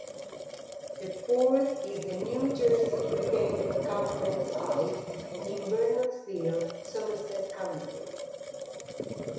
The fourth is the New Jersey Brigade Encampment Site in Bernardsville, Somerset County.